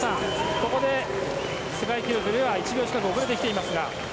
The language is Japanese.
ここで世界記録よりも１秒近く遅れてきていますが。